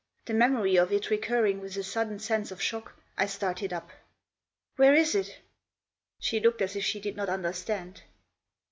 The memory of it recurring with a sudden sense of shock, I started up. "Where is it?" She looked as if she did not understand.